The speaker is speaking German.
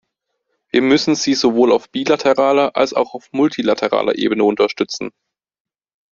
Wir müssen sie sowohl auf bilateraler als auch auf multilateraler Ebene unterstützen.